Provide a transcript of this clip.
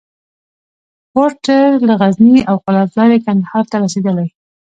فورسټر له غزني او قلات لاري کندهار ته رسېدلی.